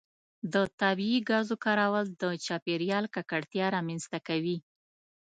د طبیعي ګازو کارول د چاپیریال ککړتیا رامنځته کوي.